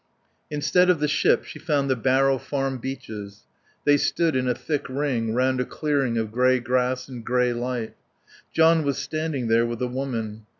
Instead of the ship she found the Barrow Farm beeches. They stood in a thick ring round a clearing of grey grass and grey light. John was standing there with a woman.